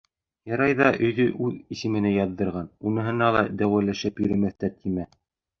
Ярай ҙа өйҙө үҙ исеменә яҙҙырған, уныһына ла дәғүәләшеп йөрөмәҫтәр тимә.